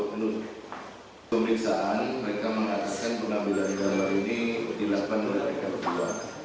menurut pemeriksaan mereka mengakseskan pengambilan gambar ini dilakukan oleh mereka kepala